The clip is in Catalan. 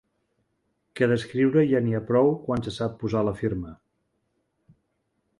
Que d'escriure ja n'hi ha prou quan se sap posar la firma.